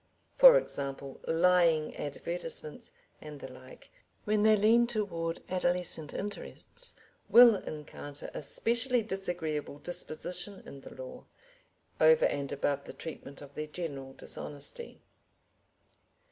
For example, lying advertisements, and the like, when they lean towards adolescent interests, will encounter a specially disagreeable disposition in the law, over and above the treatment of their general dishonesty.